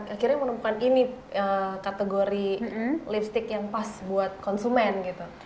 akhirnya menemukan ini kategori lipstick yang pas buat konsumen gitu